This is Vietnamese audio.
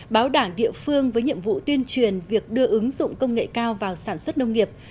báo đảng địa phương với nhiệm vụ tuyên truyền việc đưa ứng dụng công nghệ cao vào sản xuất nông nghiệp